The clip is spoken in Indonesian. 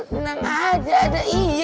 seneng aja ada iya